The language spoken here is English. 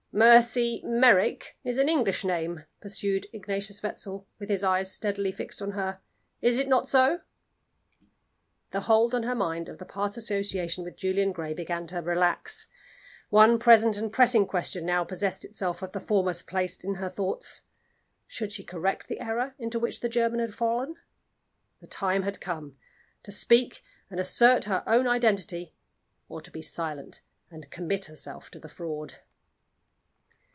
"'Mercy Merrick' is an English name?" pursued Ignatius Wetzel, with his eyes steadily fixed on her. "Is it not so?" The hold on her mind of the past association with Julian Gray began to relax. One present and pressing question now possessed itself of the foremost place in her thoughts. Should she correct the error into which the German had fallen? The time had come to speak, and assert her own identity; or to be silent, and commit herself to the fraud.